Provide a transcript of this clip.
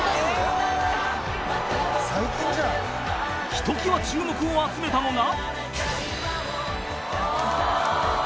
［ひときわ注目を集めたのが］